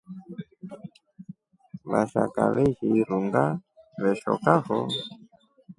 Vashaka veshi irunga veshokafo.